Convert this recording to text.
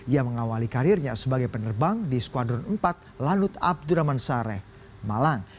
ia mengawali karirnya sebagai penerbang di skuadron empat lanut abdurrahman sareh malang